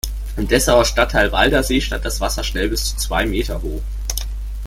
Im Dessauer Stadtteil Waldersee stand das Wasser schnell bis zu zwei Meter hoch.